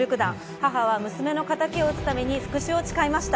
母は娘の敵を討つために復讐を誓いました。